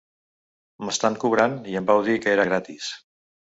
M'estan cobrant i em vau dir que era gratis.